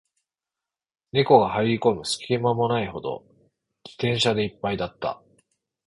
猫が入る込む隙間もないほど、自転車で一杯だった